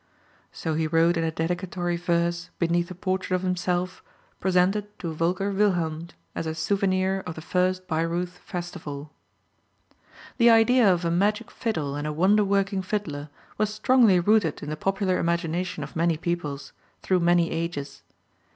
So he wrote in a dedicatory verse beneath a portrait of himself, presented to "Volker Wilhelmj as a souvenir of the first Baireuth festival." The idea of a magic fiddle and a wonderworking fiddler was strongly rooted in the popular imagination of many peoples, through many ages.